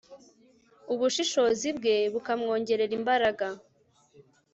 ubushishozi bwe bukamwongerera imbaraga